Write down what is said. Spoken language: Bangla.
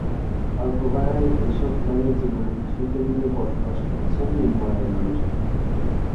অল্প ভাড়ায় এসব ঘরে জীবনের ঝুঁকি নিয়ে বসবাস করছেন নিম্ন আয়ের মানুষেরা।